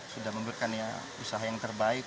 sudah memberikan usaha yang terbaik